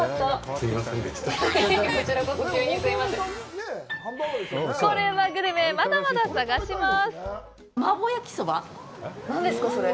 これうまグルメ、まだまだ探します。